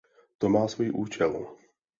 Ta má svůj účel.